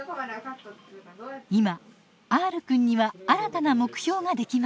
今Ｒくんには新たな目標ができました。